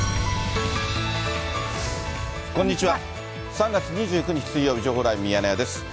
３月２９日水曜日、情報ライブミヤネ屋です。